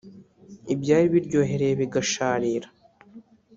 ibyari biryohereye bigasharira